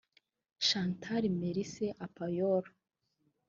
Chantal Meryse Apoyolo